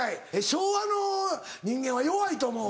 昭和の人間は弱いと思う。